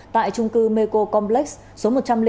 tại trung cư mekocomplex số một mươi một